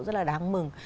rất là đáng mừng